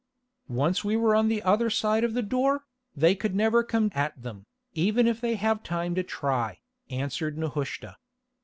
"Once we were the other side of the door, they could never come at them, even if they have time to try," answered Nehushta.